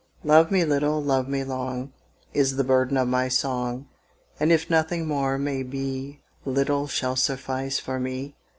"LOVE me little, love me long," Is the burden of my song, And if nothing more may be Little shall suffice for me.